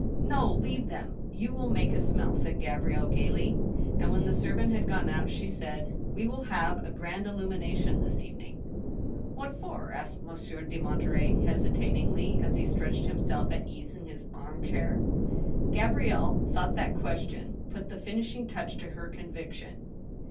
" No, leave them. You will make a smell," said Gabrielle, gayly. And, when the servant had gone out, she said :" We will have a grand illumination this evening." '• What for ?" asked Monsieur de Monterey, hesitatingly, as he stretched himself at ease in his arm chair. AN ILL UMINA TION. 153 Gabiielle thought that question put the finishing touch to her conviction.